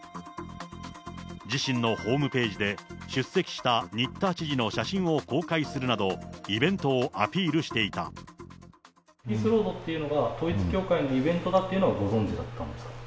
自身のホームページで出席した新田知事の写真を公開するなど、イピースロードというのが、統一教会のイベントだっていうのはご存じだったんですか？